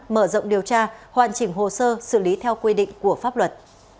mở rộng điều tra hoàn chỉnh hồ sơ xử lý theo quy định của pháp luật